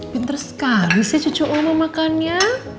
pinter sekali sih cucu oma makan ya